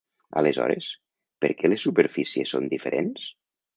Aleshores, per què les superfícies són diferents?